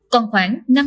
còn khoảng năm triệu đồng